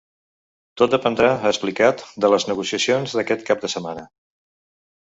Tot dependrà, ha explicat, de les negociacions d’aquest cap de setmana.